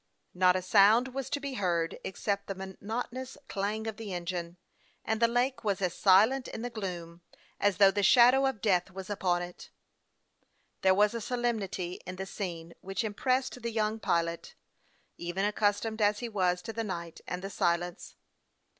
Not a sound was to be heard except the monotonous clang of the engine, and the lake was as silent in the gloom as though the shadow of death was upon it. There was a solemnity in the scene which impressed the younj pilot, even accustomed as he was to the night and the silence.